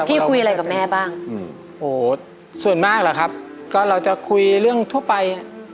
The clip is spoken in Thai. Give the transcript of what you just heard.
คุยอะไรกับแม่บ้างอืมโหส่วนมากเหรอครับก็เราจะคุยเรื่องทั่วไป